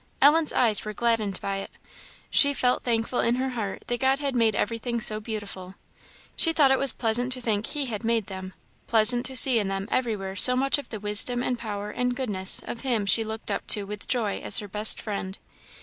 Ellen's eyes were gladdened by it; she felt thankful in her heart that God had made everything so beautiful; she thought it was pleasant to think He had made them, pleasant to see in them everywhere so much of the wisdom, and power, and goodness, of Him she looked up to with joy as her best friend.